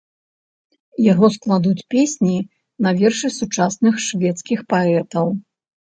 Яго складуць песні на вершы сучасных шведскіх паэтаў.